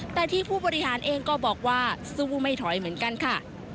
แต่ที่ผู้บริหารเองก็บอกว่าสู้ไม่ถอยเหมือนกันค่ะ